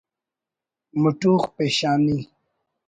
مٹوخ پیشانی